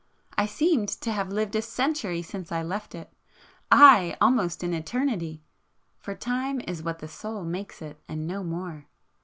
I seemed to have lived a century since I left it,—aye, almost an eternity,—for time is what the Soul makes it, and no more.